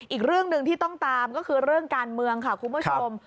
อีกเรื่องหนึ่งที่ต้องตามก็คือเรื่องการเมืองค่ะคุณผู้ชม